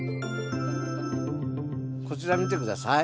こちら見て下さい。